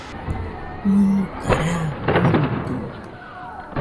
¿Mɨnɨka riara fɨruidɨo?